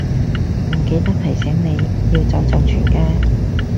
唔記得提醒你，要走就全家